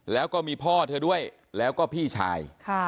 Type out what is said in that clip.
แล้วก็มีพ่อเธอด้วยแล้วก็พี่ชาย